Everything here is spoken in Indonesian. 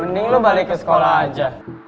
mending lu balik ke sekolah aja